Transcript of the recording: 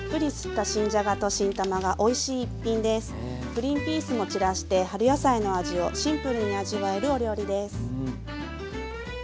グリンピースも散らして春野菜の味をシンプルに味わえるお料理です。